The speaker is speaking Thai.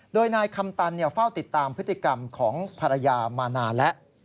โดยนายคำตันเฝ้าติดตามพฤติกรรมของภรรยามานานแล้ว